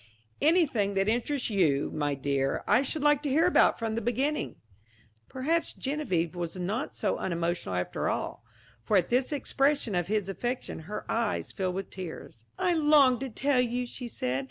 "Anything that interests you, my dear, I should like to hear about from the beginning." Perhaps Geneviève was not so unemotional after all, for at this expression of his affection, her eyes filled with tears. "I long to tell you," she said.